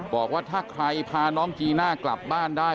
บอกว่าถ้าใครพาน้องจีน่ากลับบ้านได้